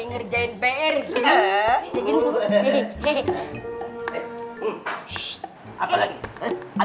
aduh gimana dong mekes terhadap liat